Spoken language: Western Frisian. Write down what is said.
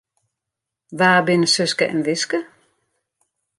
Wa binne Suske en Wiske?